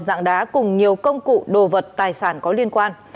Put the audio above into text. dạng đá cùng nhiều công cụ đồ vật tài sản có liên quan